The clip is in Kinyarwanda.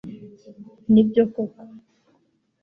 Nibyo koko